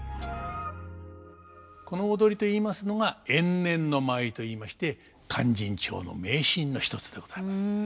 この踊りといいますのが延年の舞といいまして「勧進帳」の名シーンの一つでございます。